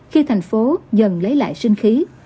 khi thành phố dần lấy lại sinh khí